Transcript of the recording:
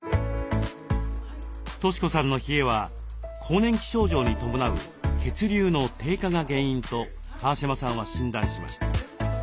俊子さんの冷えは更年期症状に伴う血流の低下が原因と川嶋さんは診断しました。